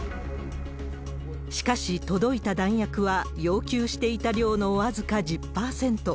しかし、届いた弾薬は要求していた量の僅か１０％。